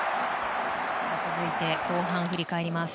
続いて、後半振り返ります。